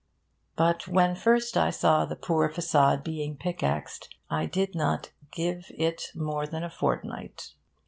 But, when first I saw the poor facade being pick axed, I did not 'give' it more than a fortnight.